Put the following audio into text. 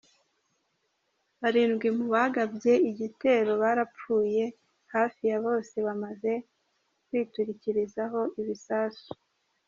Barindwi mu bagabye igitero barapfuye hafi ya bose bamaze kwiturikirizaho ibisasu.